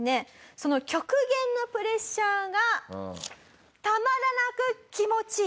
その極限のプレッシャーがたまらなく気持ちいい。